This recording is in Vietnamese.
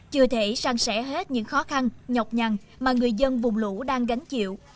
vì thế sang sẻ hết những khó khăn nhọc nhằn mà người dân vùng lũ đang gánh chịu